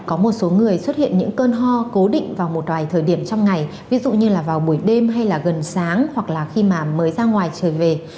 có một số người xuất hiện những cơn ho cố định vào một vài thời điểm trong ngày ví dụ như là vào buổi đêm hay là gần sáng hoặc là khi mà mới ra ngoài trời về